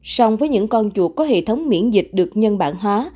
song với những con chuột có hệ thống miễn dịch được nhân bản hóa